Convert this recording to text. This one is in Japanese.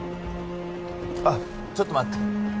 あッちょっと待って